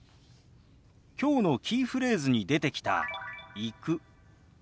きょうのキーフレーズに出てきた「行く」。